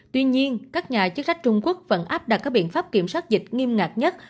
tuy nhiên các nhà chức trách trung quốc vẫn áp đặt các biện pháp kiểm soát dịch nghiêm ngặt nhất